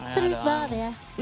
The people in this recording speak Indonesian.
serius banget ya